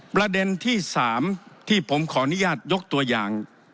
ประเด็นที่๓ที่ผมขออนุญาตยกตัวอย่าง